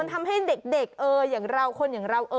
ทำให้เด็กอย่างเราคนอย่างเรา